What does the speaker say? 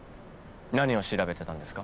何を調べてたんですか？